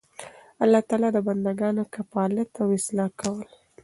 د الله تعالی د بندګانو کفالت او اصلاح کول